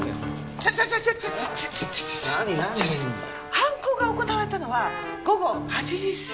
犯行が行われたのは午後８時過ぎでしょ？